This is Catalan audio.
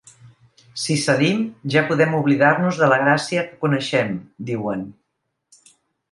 Si cedim, ja podem oblidar-nos de la Gràcia que coneixem, diuen.